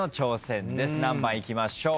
何番いきましょう？